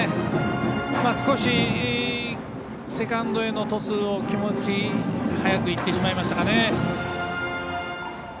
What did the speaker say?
少しセカンドへのトスを気持ち早くいってしまいましたかね。